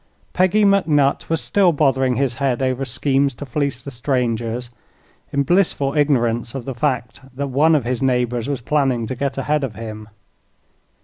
Peggy McNutt was still bothering his head over schemes to fleece the strangers, in blissful ignorance of the fact that one of his neighbors was planning to get ahead of him.